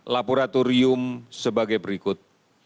laboratorium sebagai berikut